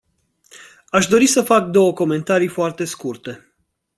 Aș dori să fac două comentarii foarte scurte.